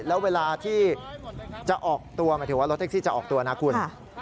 แล้วเวลาที่จะออกตัวหมายถึงว่ารถแท็กซี่จะออกตัวนะคุณ